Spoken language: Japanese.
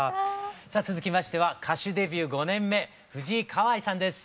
さあ続きましては歌手デビュー５年目藤井香愛さんです。